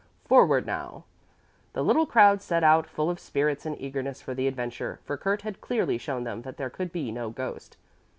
Forward now!" The little crowd set out full of spirits and eagerness for the adventure, for Kurt had clearly shown them that there could be no ghost.